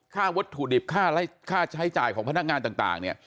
ค่าวัตถุดิบค่าใช้จ่ายของพนักงานต่างเนี่ย